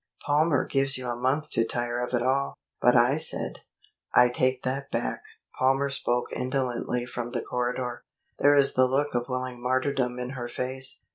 Palmer gives you a month to tire of it all; but I said " "I take that back," Palmer spoke indolently from the corridor. "There is the look of willing martyrdom in her face.